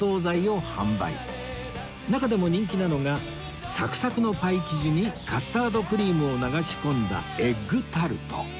中でも人気なのがサクサクのパイ生地にカスタードクリームを流し込んだエッグタルト